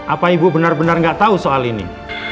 apa ibu benar benar nggak tahu soal ini